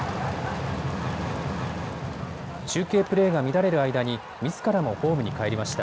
中継プレーが乱れる間にみずからもホームに帰りました。